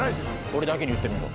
俺だけに言ってみろ。